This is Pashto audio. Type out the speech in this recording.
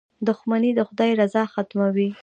• دښمني د خدای رضا ختموي.